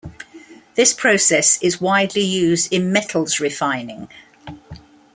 This process is widely used in metals refining.